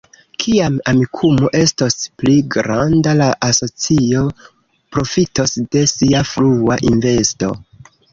Kiam Amikumu estos pli granda, la asocio profitos de sia frua investo.